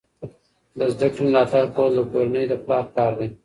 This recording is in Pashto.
د زده کړې ملاتړ کول د کورنۍ د پلار کار دی.